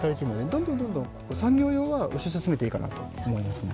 どんどん産業用は推し進めていいかなと思いますね。